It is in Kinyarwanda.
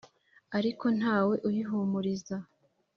ariko nta we uyihumuriza.